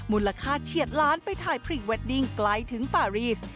มูลค่าเฉียดล้านไปถ่ายพรีเวดดิ้งไกลถึงปารีส